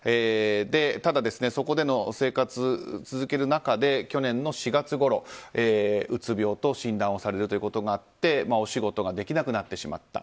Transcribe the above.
ただ、そこでの生活を続ける中で去年の４月ごろ、うつ病と診断されるということがあってお仕事ができなくなってしまった。